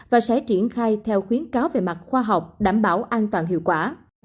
và sẽ triển khai theo khuyến cáo về mặt khoa học đảm bảo an toàn hiệu quả